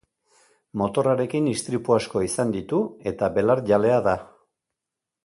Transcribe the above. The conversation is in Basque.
Motorrarekin istripu asko izan ditu eta belarjalea da.